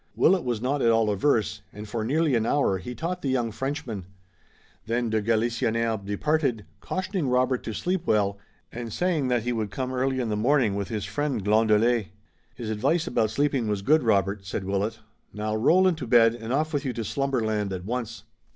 Willet was not at all averse, and for nearly an hour he taught the young Frenchman. Then de Galisonnière departed, cautioning Robert to sleep well, and saying that he would come early in the morning with his friend, Glandelet. "His advice about sleeping was good, Robert," said Willet. "Now roll into bed and off with you to slumberland at once."